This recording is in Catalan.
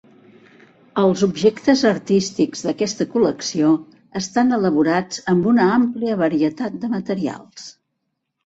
Els objectes artístics d'aquesta col·lecció estan elaborats amb una àmplia varietat de materials.